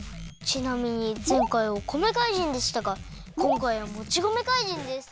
ちなみにぜんかいはお米かいじんでしたがこんかいはもち米かいじんです！